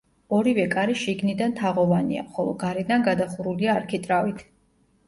ორივე კარი შიგნიდან თაღოვანია, ხოლო გარედან გადახურულია არქიტრავით.